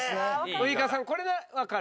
ウイカさんこれはわかる？